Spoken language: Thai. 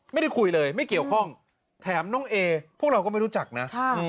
ไม่ได้คุยเลยไม่เกี่ยวข้องแถมน้องเอพวกเราก็ไม่รู้จักนะ